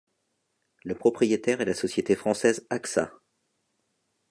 Le propriétaire est la société française Axa.